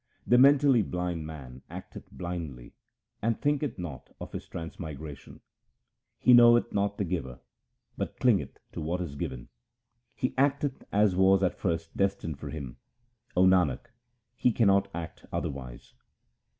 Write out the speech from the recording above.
The mentally blind man acteth blindly, and thinketh not of his transmigration. He knoweth not the Giver, but clingeth to what is given : He acteth as was at first destined for him ; O Nanak, he cannot act otherwise.